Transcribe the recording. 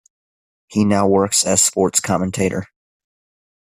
He now works as sports commentator.